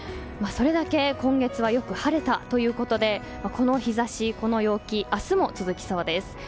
それだけ今月はよく晴れたということでこの日差し、この陽気明日も続きそうです。